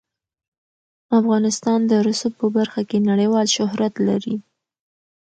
افغانستان د رسوب په برخه کې نړیوال شهرت لري.